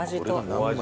お味